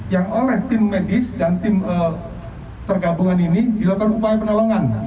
yang oleh tim medis dan tim tergabungan ini dilakukan upaya penolongan